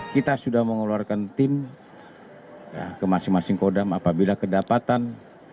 kita sudah mengeluarkan tim ke masing masing kodam apabila kedapatan